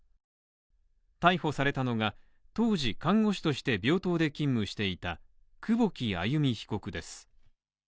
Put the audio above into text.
逮捕されたのが、当時看護師として病棟で勤務していた久保木愛弓被告です。